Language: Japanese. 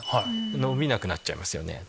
伸びなくなっちゃいますよね。